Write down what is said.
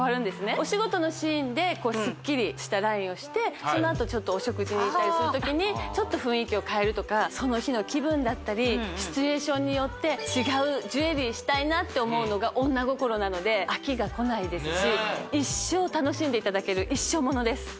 お仕事のシーンですっきりしたラインをしてそのあとお食事に行ったりする時にちょっと雰囲気を変えるとかその日の気分だったりシチュエーションによって違うジュエリーしたいなって思うのが女心なので飽きがこないですし一生楽しんでいただける一生ものです